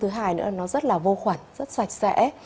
thứ hai nữa là nó rất là vô khuẩn rất sạch sẽ